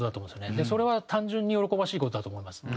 それは単純に喜ばしい事だと思います。